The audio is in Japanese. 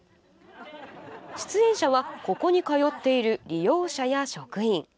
出演者は、ここに通っている利用者や職員。